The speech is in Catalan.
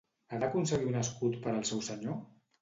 Ha d'aconseguir un escut per al seu senyor?